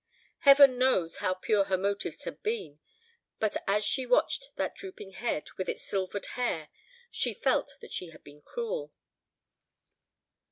Heaven knows how pure her motives had been; but as she watched that drooping head, with its silvered hair, she felt that she had been cruel.